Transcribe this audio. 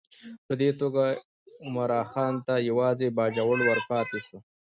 په دې توګه عمرا خان ته یوازې باجوړ ورپاته شو.